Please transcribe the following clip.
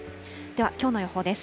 では、きょうの予報です。